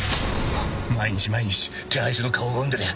毎日毎日手配書の顔拝んでりゃ